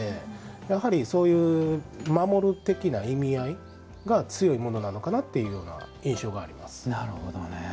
やはり、そういう守る的な意味合いが強いものなのかなというような印象があります。